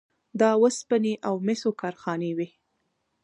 د وسپنې او مسو کارخانې وې